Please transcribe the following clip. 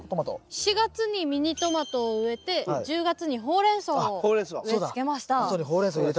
４月にミニトマトを植えて１０月にホウレンソウを植えつけました。